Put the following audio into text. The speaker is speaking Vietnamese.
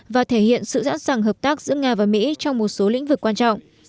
và thể hiện sự giãn sẵn hợp tác giữa nga và mỹ trong một số lĩnh vực quan trọng